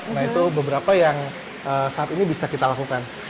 nah itu beberapa yang saat ini bisa kita lakukan